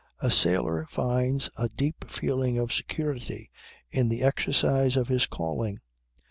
"A sailor finds a deep feeling of security in the exercise of his calling.